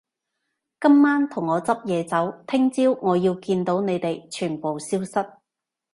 今晚同我執嘢走，聽朝我要見到你哋全部消失